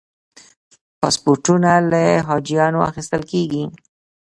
پاسپورتونه له حاجیانو اخیستل کېږي.